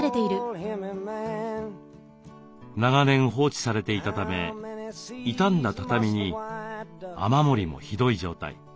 長年放置されていたため傷んだ畳に雨漏りもひどい状態。